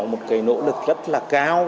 một cái nỗ lực rất là cao